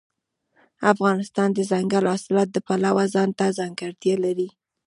افغانستان د دځنګل حاصلات د پلوه ځانته ځانګړتیا لري.